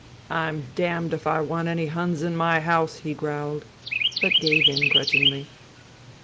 " I'm damned if I want any Huns in my" house," he growled; but gave in grudgingly.